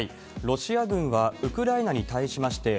ロシア軍はウクライナに対しまし